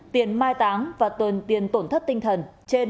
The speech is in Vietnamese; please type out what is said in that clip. tiền mai táng và tiền tổn thất tinh thần trên sáu trăm năm mươi triệu đồng